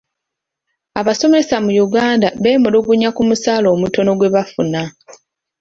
Abasomesa mu Uganda beemulugunya ku musaala omutono gwe bafuna.